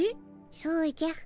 そうじゃ。